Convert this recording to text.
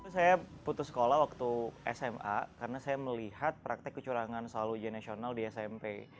saya putus sekolah waktu sma karena saya melihat praktek kecurangan selalu ujian nasional di smp